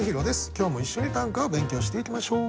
今日も一緒に短歌を勉強していきましょう。